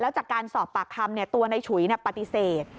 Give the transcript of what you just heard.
แล้วจากการสอบปากคำตัวนายฉุยปฏิเสธ